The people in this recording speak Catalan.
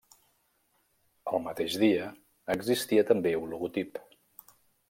El mateix dia existia també un logotip.